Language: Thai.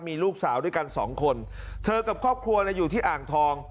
มีลูกสาวด้วยกันสองคนเธอกับครอบครัวอยู่ที่อ่างทอง